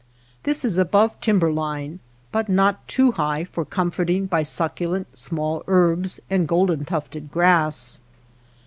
This is above tim ber line but not too high for comforting by succulent small herbs and golden tufted grass.